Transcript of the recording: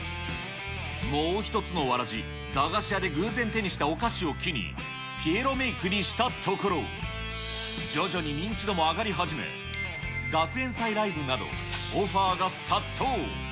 もう１つのわらじ、駄菓子屋で偶然手にしたお菓子を機に、ピエロメークにしたところ、徐々に認知度も上がり始め、学園祭ライブなど、オファーが殺到。